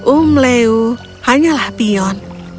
um leu hanyalah pion